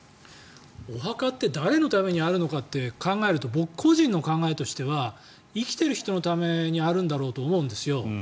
お墓って誰のためにあるのかって考えると、僕個人の考えとしては生きている人のためにあるんだろうと思うんですよ。